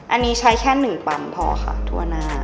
อันนี้ใช้แค่๑ตันพอค่ะทั่วหน้า